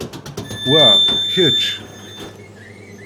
Wa, kečč!